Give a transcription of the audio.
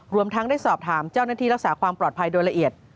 รวมทั้งได้สอบถามเจ้าหน้าที่รักษาความปลอดภัยโดยละเอียด